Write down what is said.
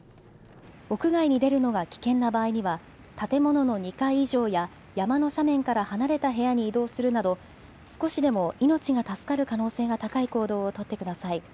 屋外に出るのが危険な場合には建物の２階以上や山の斜面から離れた部屋に移動するなど少しでも命が助かる可能性が高い行動を取ってください。